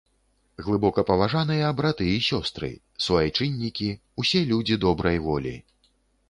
Глыбокапаважаныя браты і сёстры, суайчыннікі, усе людзі добрай волі!